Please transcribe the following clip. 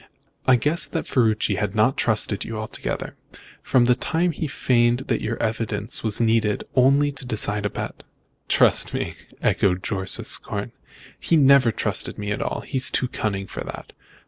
"I guessed that Ferruci had not trusted you altogether, from the time he feigned that your evidence was needed only to decide a bet." "Trust me!" echoed Jorce, with scorn. "He never trusted me at all. He is too cunning for that.